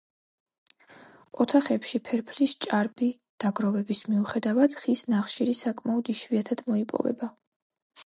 ოთახებში ფერფლის ჭარბი დაგროვების მიუხედავად ხის ნახშირი საკმაოდ იშვიათად მოიპოვება.